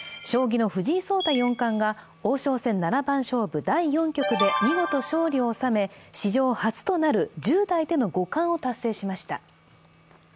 将棋の藤井聡太四冠が王将戦七番勝負第４局で見事勝利を収め、史上初となる１０代での五冠を達成しました。